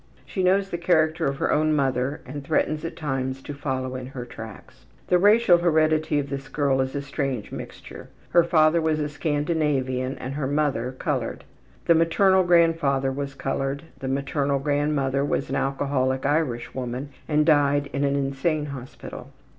She knows the character of her own mother and threatens at times to follow in her tracks. The racial heredity of this girl is a strange mixture. Her father was a Scandinavian and her mother colored. The maternal grandfather was colored, and the maternal grandmother was an alcoholic Irish woman and died in an insane hospital.